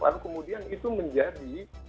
lalu kemudian itu menjadi